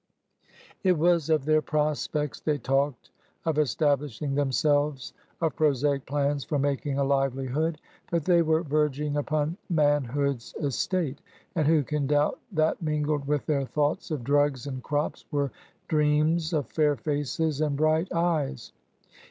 It was of their prospects they talked, of establishing themselves, of prosaic plans for making a livelihood; but they were verging upon manhood's estate, and who can doubt that mingled with their thoughts of drugs and crops were dreams of fair faces and bright eyes?